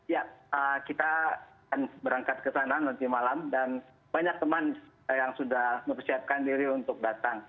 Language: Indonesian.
ya kita akan berangkat ke sana nanti malam dan banyak teman yang sudah mempersiapkan diri untuk datang